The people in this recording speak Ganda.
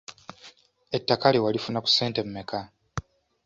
Ettaka lyo walifuna ku ssente mmeka?